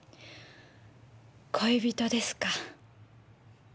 恋人ですか。